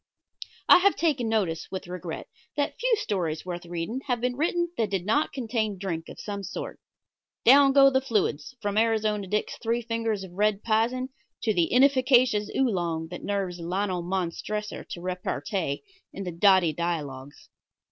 I have taken notice with regret, that few stories worth reading have been written that did not contain drink of some sort. Down go the fluids, from Arizona Dick's three fingers of red pizen to the inefficacious Oolong that nerves Lionel Montressor to repartee in the "Dotty Dialogues."